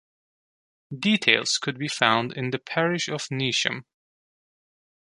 Details could be found in the parish of Neasham.